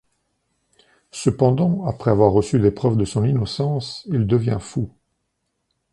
Cependant, après avoir reçu des preuves de son innocence, il devient fou.